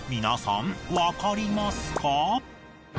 皆さんわかりますか？